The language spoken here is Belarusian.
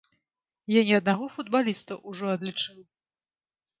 Я не аднаго футбаліста ўжо адлічыў.